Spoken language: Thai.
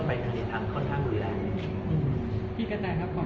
พี่กระแจครับก่อนที่จะถามก่อนให้บอกว่าอย่างไรบ้าง